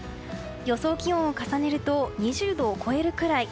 予想気温を重ねると２０度を超えるくらい。